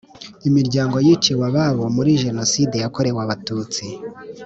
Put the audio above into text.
imiryango yiciwe ababo muri Jenoside yakorewe Abatutsi